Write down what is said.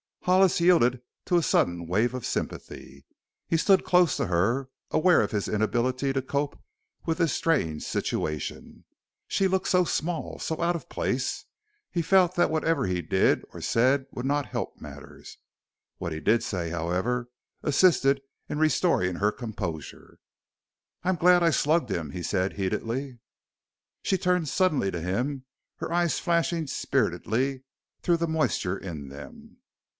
Hollis yielded to a sudden wave of sympathy. He stood close to her, aware of his inability to cope with this strange situation. She looked so small, so out of place, he felt that whatever he did or said would not help matters. What he did say, however, assisted in restoring her composure. "I am glad I slugged him!" he said heatedly. She turned suddenly to him, her eyes flashing spiritedly through the moisture in them.